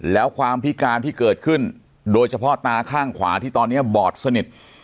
แล้วความพิการที่เกิดขึ้นโดยเฉพาะตาข้างขวาที่ตอนนี้บอดสนิท